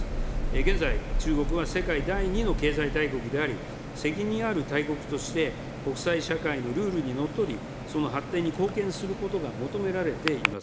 現在、中国は世界第２の経済大国であり、責任ある大国として、国際社会のルールにのっとり、その発展に貢献することが求められています。